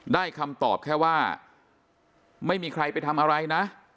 คำตอบแค่ว่าไม่มีใครไปทำอะไรนะ